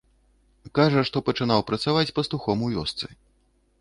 Кажа, што пачынаў працаваць пастухом у вёсцы.